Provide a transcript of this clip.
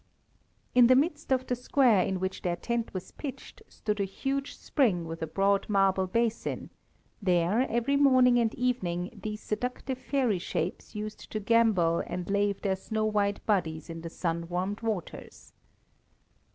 In the midst of the square in which their tent was pitched, stood a huge spring with a broad marble basin; there, every morning and evening, these seductive fairy shapes used to gambol and lave their snow white bodies in the sun warmed waters.